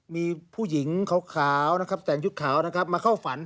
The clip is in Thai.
มีผู้หญิงขาวนะครับแต่งชุดขาวนะครับมาเข้าฝัน